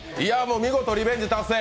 見事リベンジ達成。